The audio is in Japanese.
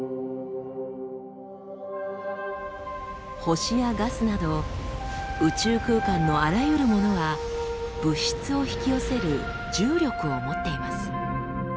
星やガスなど宇宙空間のあらゆるものは物質を引き寄せる重力を持っています。